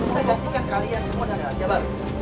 saya bisa gantikan kalian semua dengan harga baru